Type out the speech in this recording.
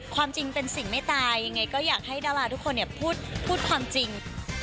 ความจริงเป็นสิ่งไม่ตายยังไงก็อยากให้ดาราทุกคนพูดความจริง